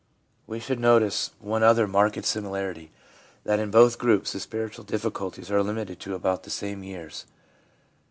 We should notice one other marked similarity, that in both groups the spiritual difficulties are limited to about the same years.